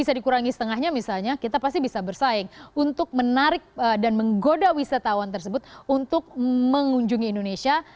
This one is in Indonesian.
bisa dikurangi setengahnya misalnya kita pasti bisa bersaing untuk menarik dan menggoda wisatawan tersebut untuk mengunjungi indonesia